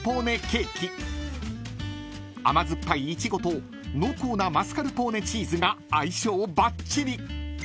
［甘酸っぱいイチゴと濃厚なマスカルポーネチーズが相性ばっちり］